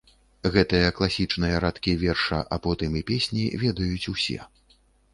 Гэтыя класічныя радкі верша, а потым і песні, ведаюць усе.